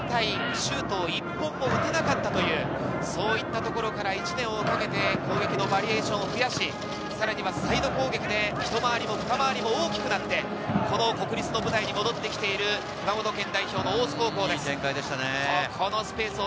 シュートを１本も打てなかったという、そういったところから１年をかけて攻撃のバリエーションを増やしていき、さらにはサイド攻撃でひと回りもふた回りも大きくなって、この国立の舞台に戻ってきている熊本県代表の大津高校です。